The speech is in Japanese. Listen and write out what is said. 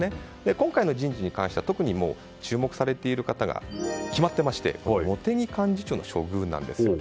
今回の人事に関しては特に注目されている方が決まっていまして茂木幹事長の処遇なんですよね。